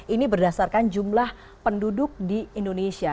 ini berdasarkan jumlah penduduk di indonesia